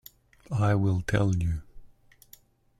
I will tell you.